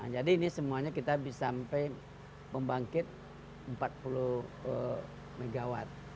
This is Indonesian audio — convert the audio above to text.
jadi ini semuanya kita bisa sampai membangkit empat puluh megawatt